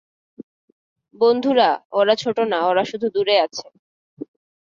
বন্ধুরা, ওরা ছোট না, ওরা শুধু দূরে আছে।